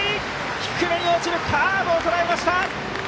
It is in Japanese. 低めに落ちるカーブをとらえました！